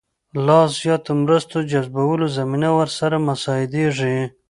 لا زیاتو مرستو جذبولو زمینه ورته مساعدېږي.